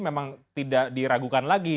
memang tidak diragukan lagi